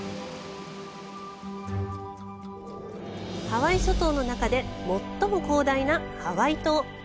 ハワイ諸島の中で最も広大なハワイ島。